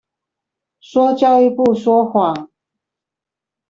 說教育部說謊